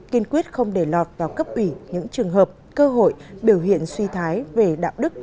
kiên quyết không để lọt vào cấp ủy những trường hợp cơ hội biểu hiện suy thái về đạo đức